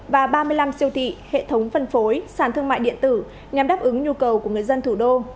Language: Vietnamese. và ba mươi năm siêu thị hệ thống phân phối sản thương mại điện tử nhằm đáp ứng nhu cầu của người dân thủ đô